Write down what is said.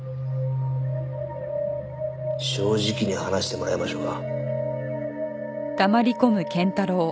正直に話してもらいましょうか。